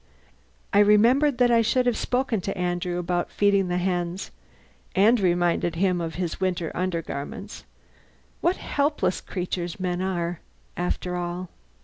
I remembered that I should have spoken to Andrew about feeding the hens, and reminded him of his winter undergarments. What helpless creatures men are, after all!